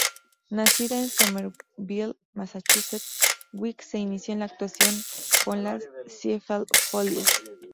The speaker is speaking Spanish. Nacida en Somerville, Massachusetts, Weeks se inició en la actuación con las Ziegfeld Follies.